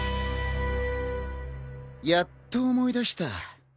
やっと思い出した。